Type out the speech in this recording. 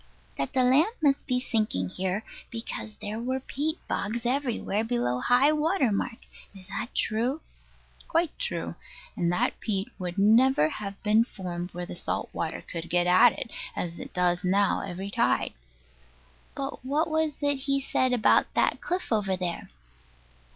That the land must be sinking here, because there were peat bogs everywhere below high water mark. Is that true? Quite true; and that peat would never have been formed where the salt water could get at it, as it does now every tide. But what was it he said about that cliff over there?